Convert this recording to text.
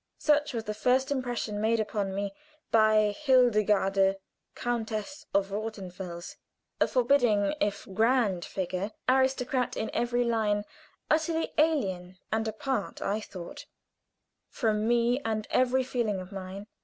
Such was the first impression made upon me by Hildegarde, Countess of Rothenfels a forbidding, if grand figure aristocrat in every line; utterly alien and apart, I thought, from me and every feeling of mine.